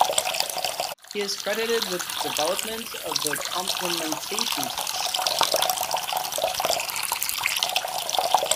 He is credited with development of the complementation test.